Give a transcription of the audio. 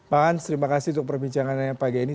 pak hans terima kasih untuk perbincangannya pagi ini